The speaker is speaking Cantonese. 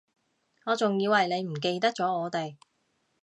我仲以為你唔記得咗我哋